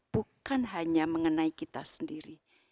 bukan hanya mengenai kita sendiri